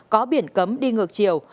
có biển cấm đi ngược chiều